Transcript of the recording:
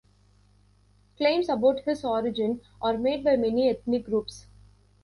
Claims about his origin are made by many ethnic groups.